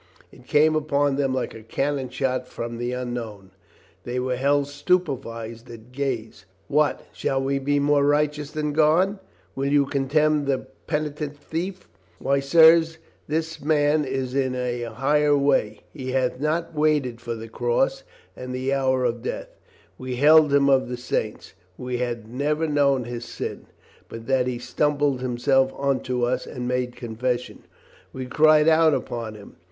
It came upon them like a cannon shot from the unknown. They were held stupefied at gaze. "What, shall we be more righteous than God? Will you condemn the penitent thief? Why, sirs, this man is in a higher way. He hath not waited for the cross and the hour of death. We held him of the saints ; we had never known his sin, but that he humbled himself unto us and made confession. We cry out upon him.